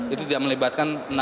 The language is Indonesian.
itu tidak melibatkan